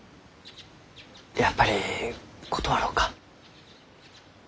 やっぱり断ろうか？